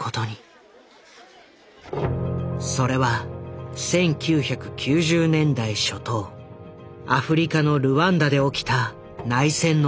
それは１９９０年代初頭アフリカのルワンダで起きた内戦の時だ。